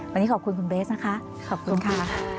วันนี้ขอบคุณคุณเบสนะคะขอบคุณค่ะ